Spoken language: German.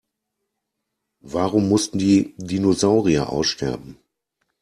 Warum mussten die Dinosaurier aussterben?